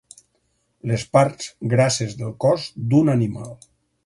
Les parts grasses del cos d'un animal.